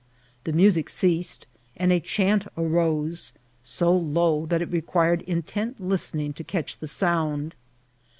The rawnc ceased, and a diant arose, so low that it required intent listening to catch the sound.